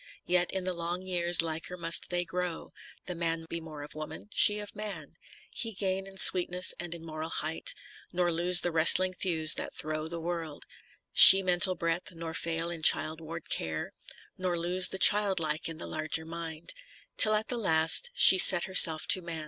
Yet in the long years liker must they grow ; The man be more of woman, she of man ; He gain in sweetness and in moral height, Nor lose the wrestling thews that throw the world ; She mental breadth, nor fail in childward care. Nor lose the childlike in the larger mind ; Till at the last she set herself to man.